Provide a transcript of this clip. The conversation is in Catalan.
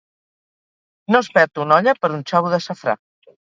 No es perd una olla per un xavo de safrà.